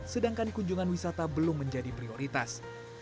sedangkan kunjungan wisata belum menjadi prioritas